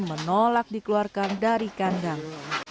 menolak dikeluarkan dari kandang